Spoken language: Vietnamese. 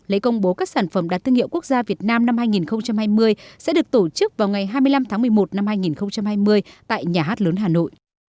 lễ công bố các sản phẩm đạt thương hiệu quốc gia việt nam năm hai nghìn hai mươi sẽ được tổ chức vào ngày hai mươi năm tháng một mươi một năm hai nghìn hai mươi tại nhà hát lớn hà nội